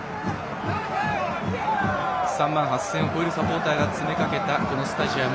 ３万８０００人を超えるサポーターが詰め掛けたスタジアム。